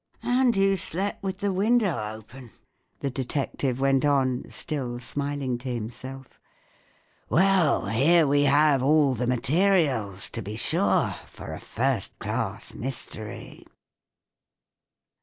"And you slept with the window open!" the detective went on, still smiling to himself. " Well, here we have all the materials, to be sure, for a first class mystery